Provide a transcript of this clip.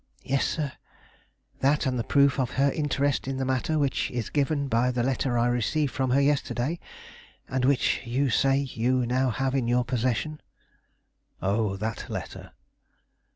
"Yes, sir; that and the proof of her interest in the matter which is given by the letter I received from her yesterday, and which you say you have now in your possession." Oh, that letter!